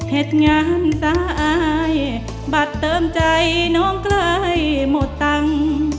เหตุงานสายอายบัตรเติมใจน้องใกล้หมดตังค์